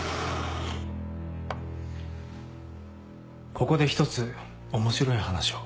ここで１つ面白い話を。